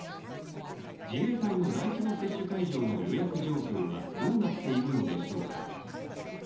自衛隊の大規模接種会場の予約状況はどうなっているのでしょうか。